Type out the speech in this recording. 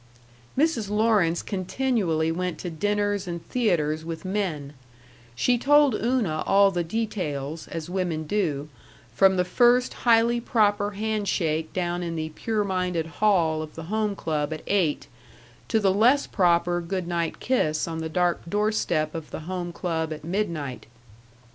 Mrs. Lawrence continually went to dinners and theaters with men; she told Una all the details, as women do, from the first highly proper handshake down in the pure minded hall of the Home Club at eight, to the less proper good night kiss on the dark door step of the Home Club at midnight.